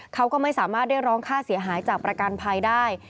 เขาก็ไม่สามารถเรียกร้องค่าเสียหายจากประกันภัยได้